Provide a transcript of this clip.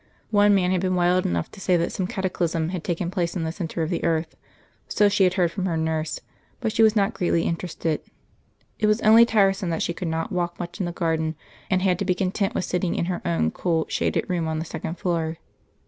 One man had been wild enough to say that some cataclysm had taken place in the centre of the earth.... So she had heard from her nurse; but she was not greatly interested. It was only tiresome that she could not walk much in the garden, and had to be content with sitting in her own cool shaded room on the second floor.